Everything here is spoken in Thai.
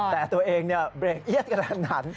แต่ตัวเองเนี่ยเบรกเอี๊ยดกระหนัน